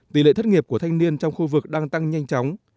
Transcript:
tỷ lệ thất nghiệp của thanh niên trong khu vực đang tăng nhanh chóng